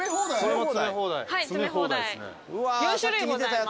４種類ございます。